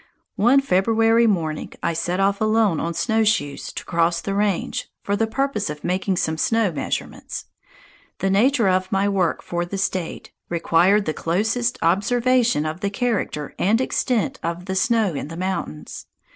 One February morning I set off alone on snowshoes to cross the "range," for the purpose of making some snow measurements. The nature of my work for the State required the closest observation of the character and extent of the snow in the mountains.